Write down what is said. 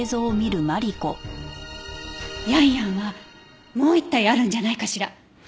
ヤンヤンはもう１体あるんじゃないかしら？